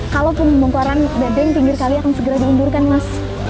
kalau pembongkaran bedeng tinggi kali akan segera diundurkan mas